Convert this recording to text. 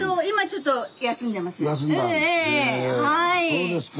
そうですか。